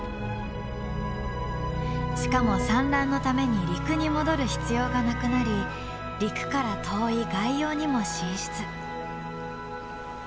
しかも産卵のために陸に戻る必要がなくなり陸から遠い外洋にも進出。